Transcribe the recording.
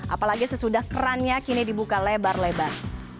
apalagi sesudah kerannya kini dibuka lebar lebar